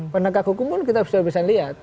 penegak hukum pun kita sudah bisa lihat